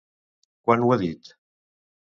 Quan ho ha dit?